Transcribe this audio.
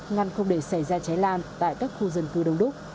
ngăn không để xảy ra cháy lan tại các khu dân quốc